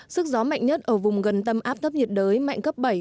sức gió mạnh nhất ở vùng gần tâm áp thấp nhiệt đới mạnh cấp bảy